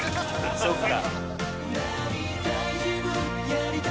そっか。